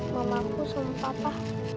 mamaku sama papa